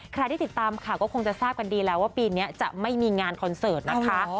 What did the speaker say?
ที่ติดตามข่าวก็คงจะทราบกันดีแล้วว่าปีนี้จะไม่มีงานคอนเสิร์ตนะคะ